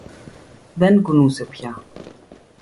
Δεν κουνούσε πια